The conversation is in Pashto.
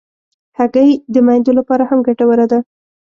هګۍ د میندو لپاره هم ګټوره ده.